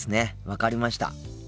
分かりました。